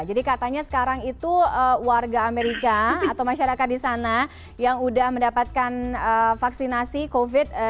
jadi katanya sekarang itu warga amerika atau masyarakat di sana yang udah mendapatkan vaksinasi covid sembilan belas